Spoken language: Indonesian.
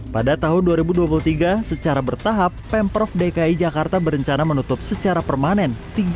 pada tahun dua ribu dua puluh tiga secara bertahap pemprov dki jakarta berencana menutup secara permanen